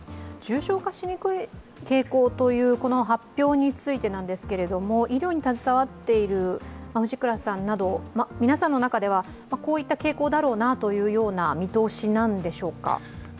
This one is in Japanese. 重症化しにくい傾向というこの発表についてですが医療に携わっている藤倉さんなど皆さんの中ではこういった傾向だろうなという見通しなんでしょうか。